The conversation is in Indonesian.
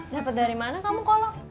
dapat dari mana kamu kolok